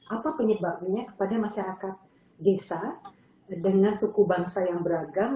apa penyebabnya kepada masyarakat desa dengan suku bangsa yang beragam